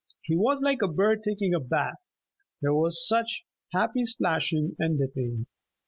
He was like a bird taking a bath; there was such happy splashing and dipping.